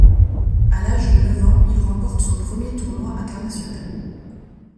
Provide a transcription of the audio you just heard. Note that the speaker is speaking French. À l'âge de neuf ans, il remporte son premier tournoi international.